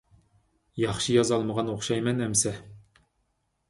ياخشى يازالمىغان ئوخشايمەن ئەمىسە.